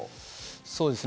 そうですね。